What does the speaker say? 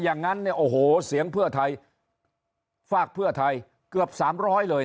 อย่างนั้นเนี่ยโอ้โหเสียงเพื่อไทยฝากเพื่อไทยเกือบ๓๐๐เลย